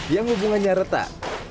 yang hubungannya retak